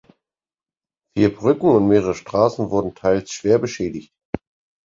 Vier Brücken und mehrere Straßen wurden teils schwer beschädigt.